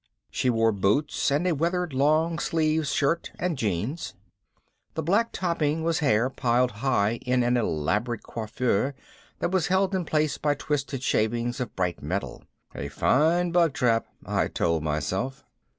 She wore boots and a weathered long sleeved shirt and jeans. The black topping was hair, piled high in an elaborate coiffure that was held in place by twisted shavings of bright metal. A fine bug trap, I told myself.